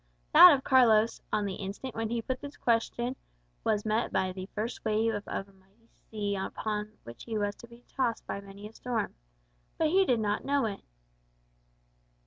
That of Carlos, on the instant when he put this question, was met by the first wave of the mighty sea upon which he was to be tossed by many a storm. But he did not know it.